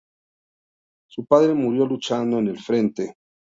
Su padre murió luchando en el frente.